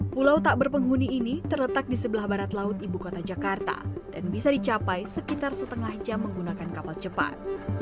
pulau tak berpenghuni ini terletak di sebelah barat laut ibu kota jakarta dan bisa dicapai sekitar setengah jam menggunakan kapal cepat